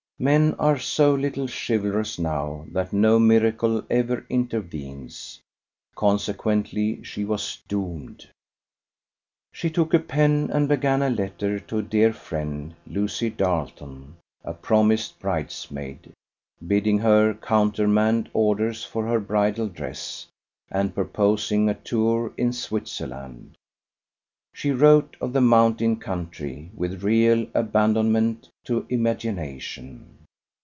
Men are so little chivalrous now that no miracle ever intervenes. Consequently she was doomed. She took a pen and began a letter to a dear friend, Lucy Darleton, a promised bridesmaid, bidding her countermand orders for her bridal dress, and purposing a tour in Switzerland. She wrote of the mountain country with real abandonment to imagination.